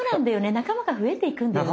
仲間が増えていくんだよね。